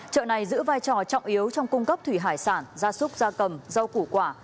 chợ này giữ vai trò trọng yếu trong cung cấp thủy hải sản gia súc gia cầm rau củ quả